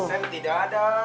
tb nya tidak ada